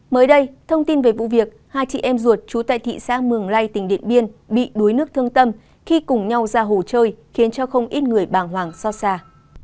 mới đây thông tin về vụ việc hai chị em ruột trú tại thị xã mường lây tỉnh điện biên bị đuối nước thương tâm khi cùng nhau ra hồ chơi khiến cho không ít người bàng hoàng xót xa